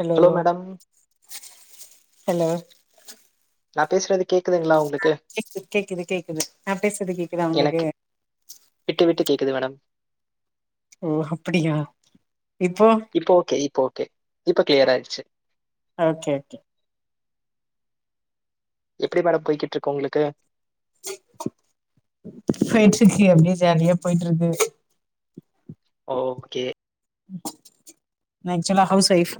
hello hello நா பேஸ்றது அ கேக்குது கேக்குது கேக்குது நா பேசுறது கேக்குதா எனக்கு உங்களுக்கு விட்டு விட்டு கேக்குது மேடம் ஓ அப்படியா இப்போ இப்ப ஓகே இப்ப ஓகே இப்ப கிளியர் ஆய்றுச்சு ஓகே ஓகே எப்டி மேடம் போய்கிட்ருக்கு உங்ளுக்கு ஃப்ரண்ஸ்ஷிப் ஹிய அப்டியே ஜாலியா போயிட்ருக்கு ஓகே நா ஆக்சுவலா house wife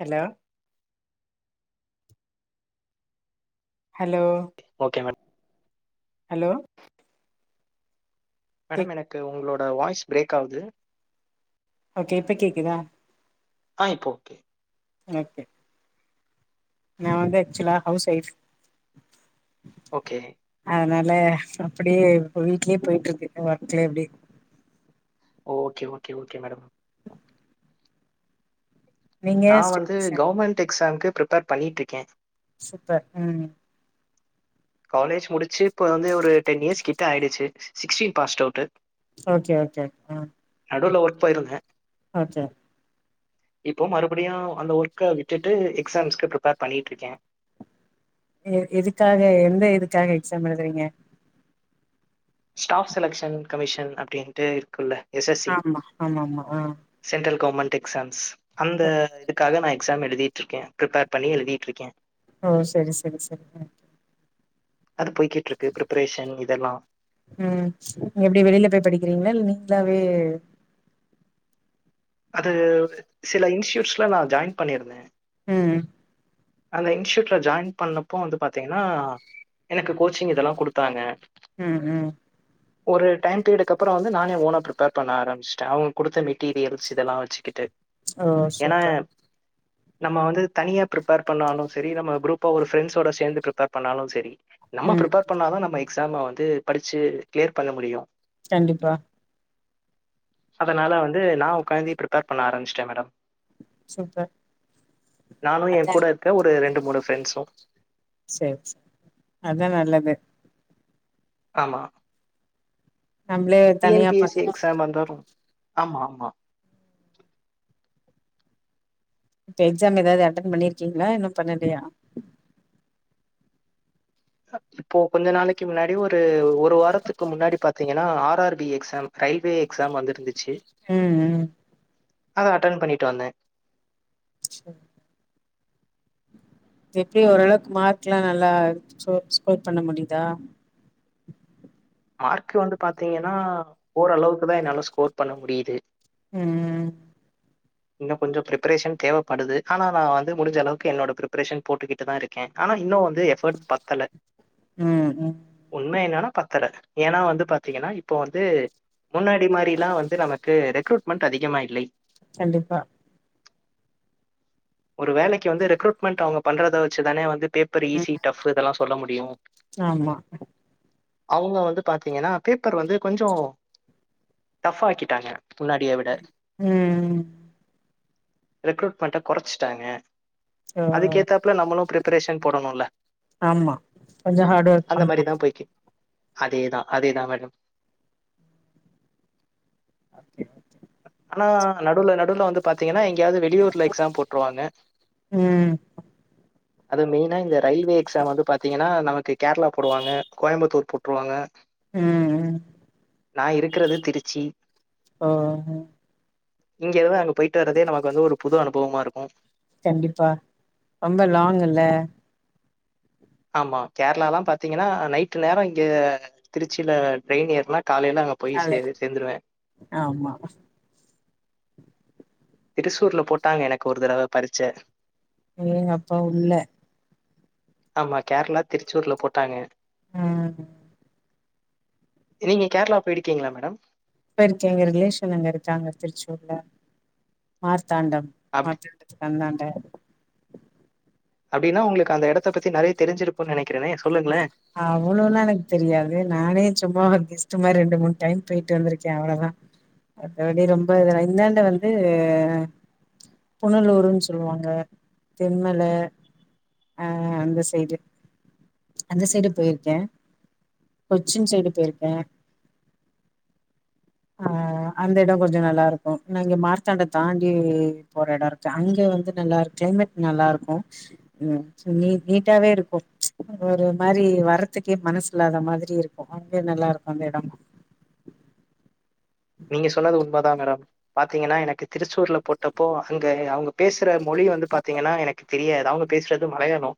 hello hello okay madam hello madam கேக் எனக்கு உங்களோட வாய்ஸ் பிரேக் ஆகுது ஓகே இப்ப கேக்குதா அ இப்ப ஓகே எனக்கு நா வந்து ஆக்சுவலா ஹவுஸ் வைஃப் ஓகே அதனால அப்படியே எனக்கு வீட்லயே போயிட்ருக்கு ஒர்க்லயே அப்டி ஓகே ஓகே ஓகே மேடம் நீங்க நா வந்து கவர்மெண்ட் எக்ஸாம்க்கு பிர்ப்பேர் பண்ணிட்ருக்கே சூப்பர் ம் காலேஜ் முடிச்சு இப்போ வந்து ஒரு டென் இயர்ஸ் கிட்ட ஆயிடுச்சு sixteen passed out okay okay ம் நடுவுல ஒர்க் போயிருவே அ ச இப்போ மறுபடியு அந்த ஒர்க்க விட்டுட்டு எக்ஸாம்ஸ்க்கு ப்ரிப்பேர் பண்ணிட்டுருக்கே எ எதுக்காக எந்த இதுக்காக எக்ஸாம் எழுதுறீங்க ஸ்டாஃப் செலக்ஷன் கமிஷன் அப்படின்ட்டு இருக்குல்ல எஸ்எஸ்சி ஆமா ஆமா ஆமா ஆ சென்ட்ரல் கவர்மெண்ட் எக்ஸாம்ஸ் அந்த இதுக்காக நா எக்ஸாம் எழுதிட்ருக்கே ப்ரிபேர் பண்ணி எழுதிட்ருக்கே ஆ சரி சரி சரி ஆ அது போய்க்கிட்ருக்கு ப்ரப்பரேஷன் இதெல்லா ம் நீங்க எப்டி வெளியில போய் படிக்கிறீங்களா இல் நீங்களாவே அது சில இன்ஸ்டியூட்ஸ்லா நா ஜாயின் பண்ணியிருந்தே ம் அந்த இன்ஸ்டியூட்ல ஜாயின் பண்ணப்போ வந்து பாத்தீங்கன்னா எனக்கு கோச்சிங் இதெல்லா குடுத்தாங்க ம் ம் ஒரு டைம் பீரியடுக்கு அப்பற வந்து நானே ஓனா பிரிப் ப்பேர் பண்ண ஆரம்சட்டே அவங்க குடுத்த மெட்டீரியல்ஸ் இதெல்லா வச்சுக்கிட்டு ஓ ஏன்னா சூப்பர் நம்ம வந்து தனியா பிரிப் பேர் பண்ணாலு சரி நம்ம குரூப்பா ஒரு பிரண்ட்ஸ்சோட சேந்து பிரிப்பர் பண்ணாலு சரி நம்ம ம் பிரிப்பர் பண்ணாத நம்ம எக்ஸாம வந்து படிச்சு கிளியர் பண்ண முடியு கண்டிப்பா அதனால வந்து நா உக்காந்து பிரிப்பேர் பண்ண ஆரம்பிச்சுட்டே மேடம் சூப்பர் [unintelligible] க்க ஒரு ரெண்டு மூணு ப்ரெண்ட்ஸு சரி அதா நல்லது ஆமா நம்பளே T N P S C exam வந்துரும் ஆமா ஆமா இப்ப எக்ஸாம் ஏதாவது அட்டென் பண்ணிருக்கீங்களா இன்னும் பண்ணலையா இப்போ கொஞ்ச நாளைக்கு முன்னாடி ஒரு ஒரு வாரத்துக்கு முன்னாடி பாாரத்தீங்கன்னா R R B exam railway exam வந்துருந்துச்சு ம்ம் அ அட்டன் பண்ணிட்டுவந்தன் சரி எப்படி ஓரளவுக்கு மார்க் எல்லாம் நல்லா ஸ்கோர் பண்ண முடியுதா மார்க்கு வந்து பாார்த்தீங்கன்னா ஓரளவுக்கு தா என்னால ஸ்கோர் பண்ண முடியுது ம் இன்னும் கொஞ்ச பிரரிப்ரேஷன் தேவைப்படுதுனா ந வந்து முடிஞ்ச அளவுக்குனோட பிரேஷன் போட்டுக்கிட்டு தா இருக்கன் க்கேன் ஆனா இன்னும் வந்து எஃபர்ட் பத்தல ம் ம் உண்மை என்னன்னா பத்தல ஏன்னா வந்து பாத்தீங்கன்னா இப்போ வந்து முன்னாடி மாதிரிலாம் வந்து நமக்கு ரெக்்ரூட்மெண்ட் அதிகமாக இல்லை கண்டிப்பா ஒரு வேலைக்கு வந்து ரெக்்ரூட்மெண்ட் அவங்க பண்றதை வச்சு தானே வந்துப்பர் ஈி டஃப் இதெல்லாம் சொல்ல முடியும் ஆமா அவங்க வந்து பாாரத்தீங்கன்னா பேப்பர் வந்து கொஞ்சம் டஃப்ா ஆக்கிட்டாங்க முன்னாடியை விட ம் ரெக்ரூட்மெண்ட கொறச்சிட்டாங்க ஓ அதுக்கேத்தாப்புல நம்மளு பிரிப்பரேஷன் போடணுல ஆமா கொஞ்சோ ஹார்ட் ஒர்க் பண்ணுனோ அதேதா அதேதா மேடம் ஆனா நடுவுல நடுவுல வந்து பாத்தீங்கன்னா எங்கயாவ்து வெளியூர்ல எக்ஸாம் போட்ருவாங்க ம் அது மெயினா இந்த ரயில்வே எக்ஸாம் வந்து பாத்தீங்கன்னா நமக்கு கேரளா போடுவாங்க கோயம்பத்தூர் போட்ருவாங்க ம் ம் நா இருக்கறது திருச்சி ஆ ஆ ஆ இங்கே இரு அங்க போய்ட்டு வரதே நமக்கு வந்து ஒரு புது அனுபவமா இருக்கோ கண்டிப்பா ரொம்ப லாங்குல்ல ஆமா கேரளாலா பாத்தீங்கன்னா நைட்டு நேரோ இங்கே திருச்சில ட்ரெயின் ஏர்னா காலைல அங்க போய் காலைல சேரு சேந்துருவ ஆமா திருசூர்ல போட்டாங்க எனக்கு ஒரு தடவ பரீச்ச ஏங் அப்பா உள்ள ஆமா கேரளா திருச்சூர்ல போட்டாங்க ம் நீங்க கேரளா போய்ருக்கீங்ளா மேடம் இப்ப ருக்க எங்க ரிலேஷன் அங்க இருக்காங்க திருச்சூர்ல மார்த்தாண்டம் அப் [inaudible] அன்னாண்ட அப்டின்னா உங்ளுக்கு அந்த எடத்த பத்தி நறைய தெரிஞ்சிருக்கும் நெனைக்குறனே சொல்லுங்ளே அவ்ளோல்லா எனக்கு தெரியாது நானே சும்மா ஒரு கெஸ்டு மாரி ரெண்டு மூணு டைம் போயிட்டு வந்துருக்கே அவ்ளோதா எப்டி ரொம்ப இதெல்லா இன்னாண்ட வந்து புனலூருன் சொல்வாங்க தெம்மலு அந்த சைடு அந்த சைடு போயிருக்கே கொச்சின் சைடு போயிருக்கே ஆ அந்த எடோ கொஞ்சோ நல்லா இருக்கு நா இங்க மார்த்தாண்ட தாண்டி போற எடோ இருக் க அங்க வந்து நல்லா இரு கிளைமேட் நல்லா இருக்கு ம் நீ நீட்டாவே இருக்கு ஒரு மாரி வரத்துக்கே மனஸ் இல்லாத மாதிரி இருக்கு அங்க நல்லா இருக்கு அந்த எடமு நீங்க சொன்னது உண்மதா மேடம் பாத்தீங்கன்னா எனக்கு திருச்சூர்ல போட்டப்போ அங்க அவுங்க பேசுற மொழி வந்து பாத்தீங்கன்னா எனக்கு தெரியாது அவுங்க பேசுறது மலையாளோ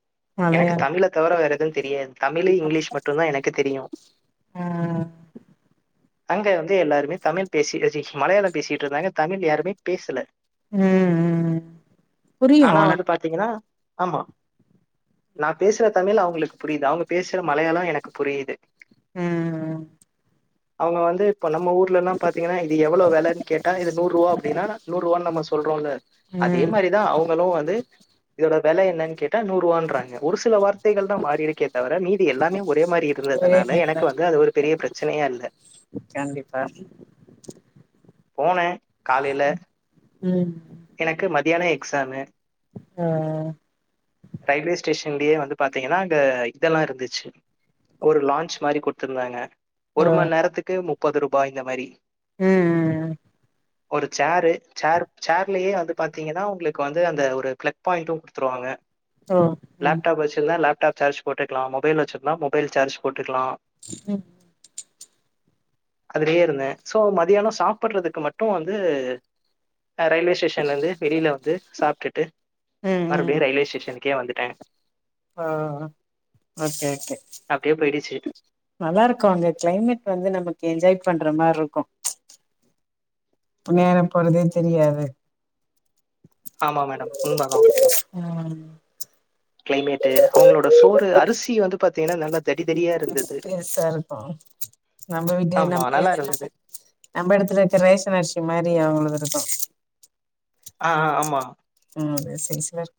மலையா எனக்கு தமிழ தவட வேற எது தெரியாது தமிலு இங்கிலீஷ் மட்டுந்தா எனக்கு தெரியு ஆ அங்க வந்து எல்லாருமே தமில் பேசி அ ச்சி மலையாளம் பேசிட்டு இருந்தாங்க தமிழ் யாருமே பேசல ம் ம் ஆனா வந்து பாத்தீங்கன்னா ஆமா நா பேசுற தமிழ் அவுங்ளுக் புரியுது அவுங்க பேசுற மலையாளோ எனக்கு புரியுது ம் அவுங்க வந்து இப்ப நம்ம ஊர்லல்லாம் பாத்தீங்கன்னா இது எவ்ளோ வெலன் கேட்டா இது நூரூவா அப்டின்னானா நூரூவான் நம்ம சொல்றோல்ல அதே ம் மாரிதா அவுங்களு வந்து இதோட வெல என்னன் கேட்டா நூர் ரூவான்றாங்க ஒரு சில வார்த்தைகள் தா மாரி இருக்கே தவர மீதி எல்லாமே ஒரே மாரி ஒரே இருந்ததனால மாரிதா எனக்கு வந்து அது ஒரு பெரிய பிர ச்சனையா இல்ல கண்டிப்பா போன காலைல ம் எனக்கு மதியான எக்ஸாமு ம் ம் ரயில்வே ஸ்டேஷன்லயே வந்து பாத்தீங்கன்னா அங்க இதெல்லா இருந்துச்சு ஒரு லான்ச் மாரி குடுத்துருந்தாங்க ஆ ஒரு மண் நேரத்துக்கு முப்பது ரூபாய் இந்த மாரி ம் ம் ம் ஒரு சேரு சேர் சேர்லயே வந்து பாத்தீங்கன்னா உங்களுக்கு வந்து அந்த ஒரு ஃப்ளக் பாயிண்ட்டு குடுத்துருவாங்க ஓ ம் லேப்டாப் வச்சிருந்தா லேப்டாப் சார்ஜ் போட்டுக்கலா மொபைல் வச்சிருந்தா மொபைல் சார்ஜ் போட்டுக்கலா ம் அதுலயே இருந்த சோ மதியானோ சாப் சாப்பட்றதுக்கு மட்டு வந்து அ ரயில்வே ஸ் டேஷன்ல இருந்து வெளில வந்து சாப்ட்டுட்டு ம் மறுபடியு ரயில்வே ஸ்டேஷனுக்கே வந்துட்ட இப்ப ஓகே ஓகே அப்டே போயிடிச்சி நல்லா இருக்கு அங்க கிளைமேட் வந்து நமக்கு என்ஜாய் பண்ற மார்ருக்கு புண்ணியாரோ போறதே தெரியாது ஆமா மேடம் உண்ம‌ தா ஆ கிளைமேட்டு அவுங்களோட சோறு அரிசி வந்து பாத்தீங்ன்னா நல்லா தடி தடியா இருந்துது சருக்கு ஆமா நல்லா இருந்தது நம்ம இடத்துல இருக்க ரேஷன் அரிஷி மாரி அவுங்களுக் இருக்கு அ அ ஆமா ம் ஒரே சைஸ்லர்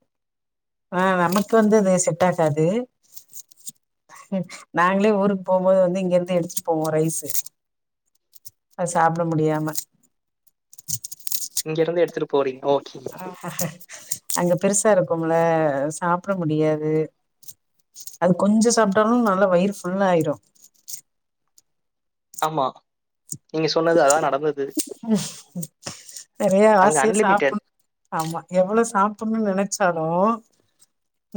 அ நமக்கு வந்து அது செட் ஆகாது நாங்களே ஊருக்கு போம்போது வந்து இங்க இருந்து எடுத்துட்டு போவோ ரைஸு அது சாப்ட முடியாம இங்க இருந்து எடுத்துட்டு போறீங்க ஓகேங்க அங்க பெருசா இருக்கும்முல்ல சாப்பிட முடியாது அது கொஞ்சொ சாப்ட்டாலு நல்லா வயிறு ஃபுல்லா ஆயிரு ஆமா நீங்க சொன்னது அதா நடந்தது ஆயிரு நெறைய அங்க ஆசையா அன்லிமிடெட் சாப்புட்ணு ஆமா எவ்ளோ சாப்புனுன்னு நெனச்சாலு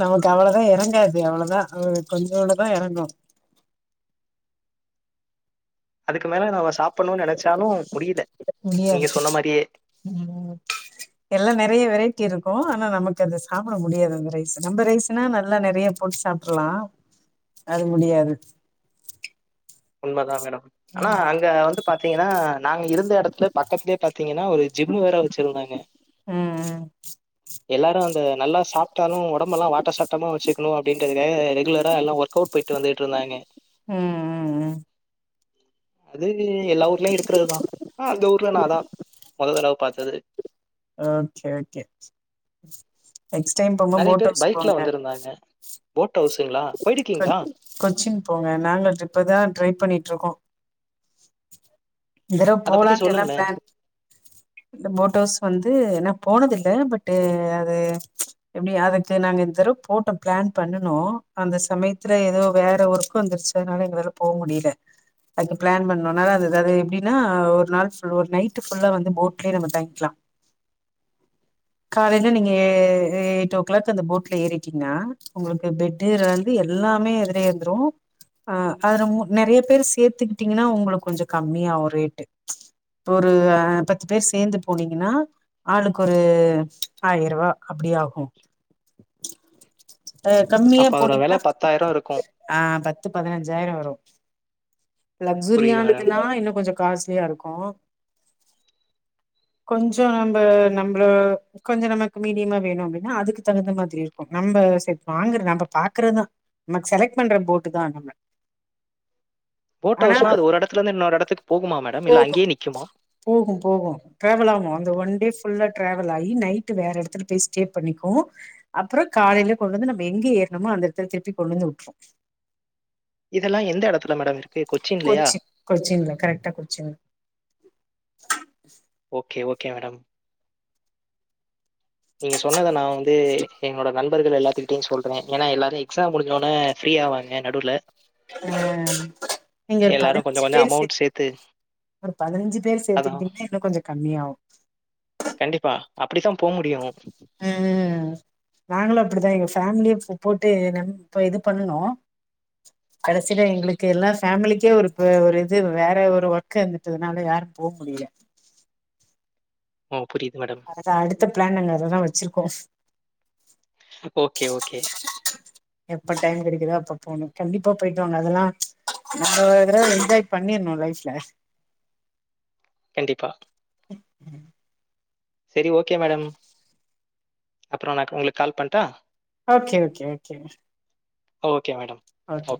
நமக்கு அவ்ளதா எறங்காது அவ்ளதா கொஞ்சோண்டுதா எறங்கூ அதுக்கு மேல நம்ம சாப்புணுன்னு நெனச்சாலு முடியில முடியாது நீங்க சொன்ன மாறியே ம் எல்லா நறைய வெரைட்டி இருக்கூ ஆனா நமக்கு அது சாப்புட முடியாது அந்த ரைஸ் நம்ப ரைஸ்ன்னா நல்லா நெறைய போட்டு சாப் புலா அது முடியாது உண்மதா மேடம் ஆனா ம் அங்க வந்து பாத்தீங்கன்னா நாங்க இருந்த எடத்துல பக்கத்துலயே பாத்தீங்கன்னா ஒரு ஜிம்மு வேற வச்சிருந்தாங்க ம் ம் எல்லாரு அங்க நல்லா சாப்ட்டாலு ஓடம்பெல்லா வாட்ட சாட்டமா வச்சுக்குணு அப்டின்றதுக்காக ரெகுலரா எல்லா ஒர்க் கவுட் போயிட்டு வந்துகிட்ருந்தாங்க ம் ம் ம் அது இது எல்லா ஊர்லயு இருக்குறதுதா அ அந்த ஊர்ல நா அதா நா மொததடவ பாத்தது ஓகே ஓகே நெக்ஸ்ட் டைம் போம்போது நெறைய போட் பேர் ஹவுஸ் பைக்ல போங்க வந்திருந்தாங்க போட் ஹவுஸ்ஸுங்ளா கொ போயிருக்கீங்ளா கொச்சின் போங்க நாங்க இப்பதா ட்ரை பண்ணிகிட்ருக்கோ இந்தடவ அத பத்தி போலான்ட்டு எல்லா சொல்லுங்களேன் ப்ளான் இந்த போட் ஹவுஸ் வந்து என்ன போனது இல்ல பட்டு அது எப்டி அதுக்கு நாங்க இந்த தடவை போட்டோ பிளான் பண்ணுனோ அந்த சமயத்துல ஏதோ வேற ஒர்கு வந்துருச்சு அதனால எங்களால போ முடியில அதுக்கு பிளான் பண்ணோனா அது ஏதாவ்து எப்டின்னா ஒரு நாள் ஒரு நைட் ஃபுல்லா வந்து போட் லயே நம்ம தங்கிக்லா காலையில நீங்க எ எயிட் ஓ க்ளாக் அந்த போட்ல ஏறிட்டீங்கன்னா ஒங்களுக்கு பெட் லேந்து எல்லாமே அதிலேருந்துரு ஆ அதுல மு நெறைய பேர் சேத்துக்கிட்டீங்கனா உங்களுக்கு கொஞ்ச கம்மியாவு ரேட்டு இப்ப ஒரு பத் பத்து பேர் சேந்து போனீங்கனா ஆளுக்கு ஒரு ஆயருவா அப்டி ஆகு அ கம்மியா அப்ப அதோட வெல போனீங்னா பத்தாயிரம் இருக்கும் ஆ பத்து பதினஞ்சாயிரொ வரு புரியுது மேடம் லக்சுரியானதுனா இன்னு கொஞ்சோ காஸ்ட்லியா இருக்கூ கொஞ்சோ நம்ப நம்பள கொஞ்ச நமக்கு மீடியமா வேணு அப்டினா அதுக்கு தகுந்த மாதிரி இருக்கூ நம்ப சே வாங்குற நம்ப பாக்குறதா நமக்கு செலக்ட் பண்ற போட்டு தா நம்ம போட் ஆனா ஹவுஸ்னா அது ஒரு எடத்துலருந்து இன்னொரு எடத்துக்கு போகுமா மேடம் இல்ல அங்கேயே நிக்குமா போகும் போகும் ட்ராவல் ஆகூ அந்த ஒன் டே ஃபுல்லா ட்ராவல் ஆகி நைட்டு வேற எடத்துல போய் ஸ்டே பண்ணிக்கூ அப்புறோ காலையில கொண்டு வந்து நம்ப எங்க ஏறுனமோ அந்த எடத்துல திருப்பி கொண்டு வந்து வுட்று இதெல்லா எந்த எடத்துல மேடம் இருக் கொச்சி கொச்சின்ல கரெக்டா கொச்சின் ஓகே ஓகே மேடம் நீங்க சொன்னத நா வந்து எங்களோட நண் பர்கள் எல்லாத்துகிட்டயும் சொல்றே ஏனா எல்லாரும் எக்ஸாம் முடிஞ்சொனெ ஃப்ரீ ஆவாங்க நடுவுல ஆ நீங்க ஒரு எல்லாரு கொஞ்ச பதினஞ்சு கொஞ்ச பேர் சே அமௌண்ட் சேத்து ஒரு பதினஞ்சு பேர் அதா சேர்த்துகிட்டீங்கனா இன்னும் கொஞ்ச கம்மியாகு கண்டிப்பா அப்டிதா போ முடியும் ம் நாங்களும் அப்டிதா எங்க ஃபேமிலிய போட்டு நம் இது பண்ணுணோ கடசிலே எங்களுக்கு எல்லாம் ஃபேமிலிக்கே ஒரு பெ ஒரு இது வேற ஒரு ஒர்க் இருந்துட்டதுனால யாரு போ முடியல ஓ புரியிது மேடம் அதான் அடுத்த பிளான் நாங்க அததா வெச்சிருக்கோம் ஓகே ஓகே எப்ப டைம் கிடைக்குதோ அப்ப போனு கண்டிப்பா போயிட்டு வாங்க அதெல்லா நம்ப ஒரு தடவ என்ஜாய் பண்ணிரனு லைப்ல கண்டிப்பா செரி ஓகே மேடம் அப்றோ நா உங்களுக்கு கால் பண்டா okay okay okay okay madam okay